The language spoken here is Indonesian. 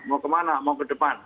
mau kemana mau ke depan